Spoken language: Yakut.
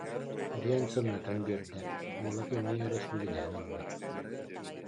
диэн сымнатан биэрдэ, уола кимниин эрэ сибигинэһэн ылла